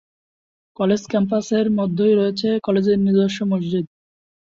College ক্যাম্পাসের মধ্যেই রয়েছে কলেজের নিজস্ব মসজিদ।